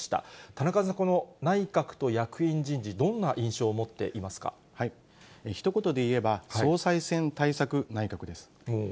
田中さん、この内閣と役員人事、ひと言で言えば、総裁選対策内閣です。